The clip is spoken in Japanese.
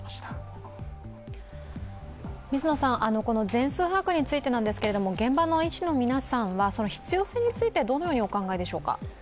全数把握についてなんですけども、現場の医師の皆さんは必要性についてはどのようにお考えでしょうか？